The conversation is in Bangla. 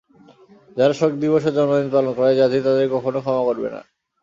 যারা শোক দিবসে জন্মদিন পালন করে, জাতি তাদের কখনো ক্ষমা করবে না।